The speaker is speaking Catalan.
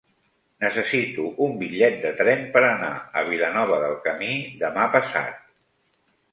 Necessito un bitllet de tren per anar a Vilanova del Camí demà passat.